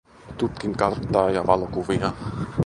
Tutkin karttaa ja valokuvia.